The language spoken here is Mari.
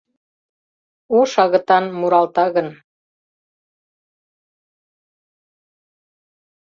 Ош агытан муралта гын